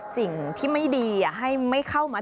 สิ่งที่ไม่ดีให้ไม่เข้ามา